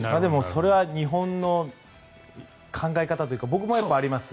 それは日本の考え方というか僕もあります。